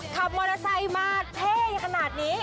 ขับมอเตอร์ไซค์มาเท่ขนาดนี้